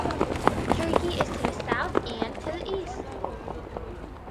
Turkey is to the south and to the east.